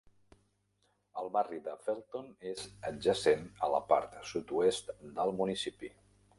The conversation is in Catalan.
El barri de Felton és adjacent a la part sud-oest del municipi.